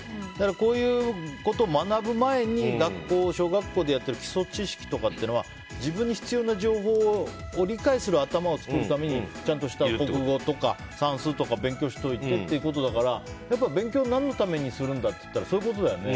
こういうことを学ぶ前に小学校でやってる基礎知識とかっていうのは自分に必要な情報を理解する頭を作るためにちゃんとした国語とか算数とか勉強しておいてってことだからやっぱり勉強を何のためにするんだっていったらそういうことだよね。